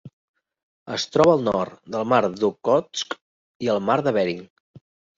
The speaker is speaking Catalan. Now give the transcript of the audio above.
Es troba al nord del mar d'Okhotsk i el mar de Bering.